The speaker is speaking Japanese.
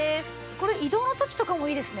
これ移動の時とかもいいですね。